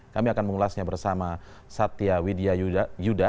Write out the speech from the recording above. kami akan mengulasnya bersama satya widya yuda